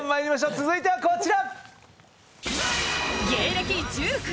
続いてはこちら。